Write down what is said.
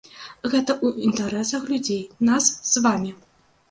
Гэта ў інтарэсах людзей, нас з вамі.